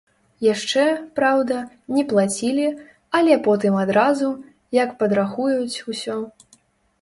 Яшчэ, праўда, не плацілі, але потым адразу, як падрахуюць усё.